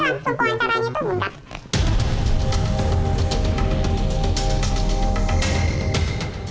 tapi langsung pelancarannya itu buka